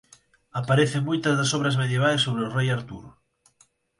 Aparece en moitas das obras medievais sobre o rei Artur.